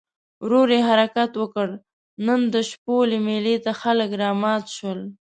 ورو یې حرکت وکړ، نن د شپولې مېلې ته خلک رامات شول.